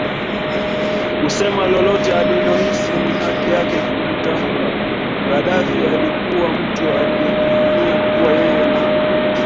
kusema lolote alilohisi ni haki yake kulitamka Gaddafi alikuwa mtu aliyejivunia kuwa yeye na